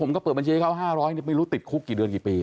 ผมก็เปิดบัญชีให้เขาอ้านห้าร้อยไม่รู้ติดคุกกี่เดือนกี่ปี